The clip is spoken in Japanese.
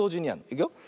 いくよ。